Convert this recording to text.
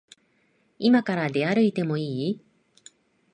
いまから出歩いてもいい？